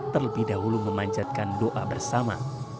terlebih dahulu memanjatkan doa bersama